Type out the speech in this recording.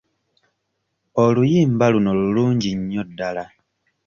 Oluyimba luno lulungi nnyo ddala.